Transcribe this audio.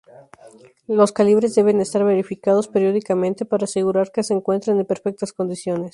Los calibres deben estar verificados periódicamente para asegurar que se encuentran en perfectas condiciones.